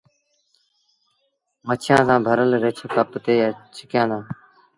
مڇيٚآنٚ سآݩٚ ڀرل رڇ ڪپ تي ڇڪيآندي۔